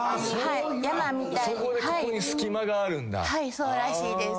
そうらしいです。